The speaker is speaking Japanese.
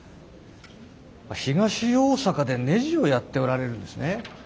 東大阪でねじをやっておられるんですね。